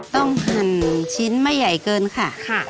หั่นชิ้นไม่ใหญ่เกินค่ะ